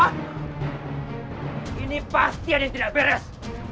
ini pasti ada yang tidak beres